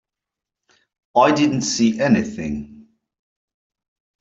I didn't see anything.